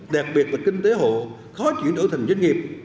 đặc biệt là kinh tế hộ khó chuyển đổi thành doanh nghiệp